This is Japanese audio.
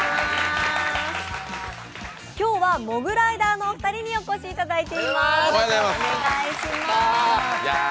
今日はモグライダーのお二人にお越しいただいています。